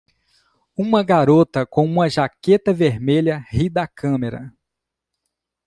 Uma garota com uma jaqueta vermelha ri da câmera.